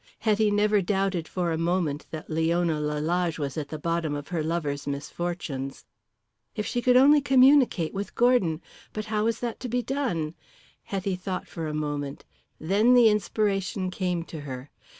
Hetty never doubted for a moment that Leona Lalage was at the bottom of her lover's misfortunes. If she could only communicate with Gordon! But how was that to be done? Hetty thought for a moment. Then the inspiration came to her.